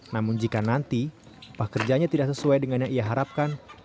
namun jika nanti upah kerjanya tidak sesuai dengan yang ia harapkan